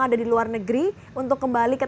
ada di luar negeri untuk kembali ke